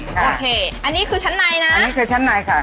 โอเคอันนี้คือชั้นในนะอันนี้คือชั้นในค่ะ